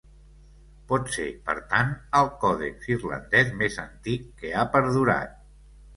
Pot ser, per tant, el còdex irlandès més antic que ha perdurat.